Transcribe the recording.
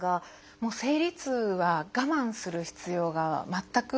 もう生理痛は我慢する必要が全くないので。